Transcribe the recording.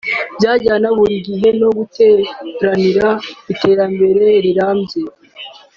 byajyana buri gihe no guharanira iterambere rirambye